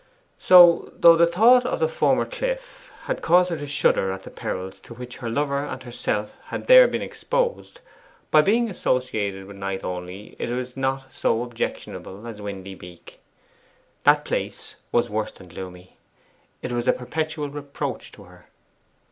So, though thought of the former cliff had caused her to shudder at the perils to which her lover and herself had there been exposed, by being associated with Knight only it was not so objectionable as Windy Beak. That place was worse than gloomy, it was a perpetual reproach to her.